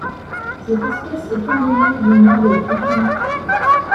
Cette espèce est endémique du Nord de la Tanzanie.